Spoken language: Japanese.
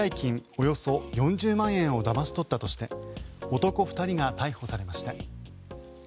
およそ４０万円をだまし取ったとして男２人が逮捕されました。